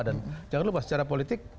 dan jangan lupa secara politik